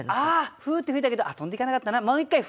フーッて吹いたけど飛んでいかなかったなもう一回フーッと。